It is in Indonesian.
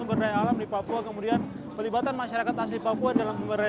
berlanggan international contemporary